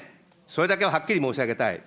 それだけははっきり申し上げたい。